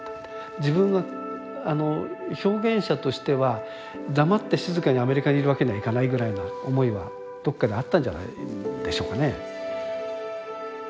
自分が表現者としては黙って静かにアメリカにいるわけにはいかないぐらいな思いはどっかにあったんじゃないでしょうかね。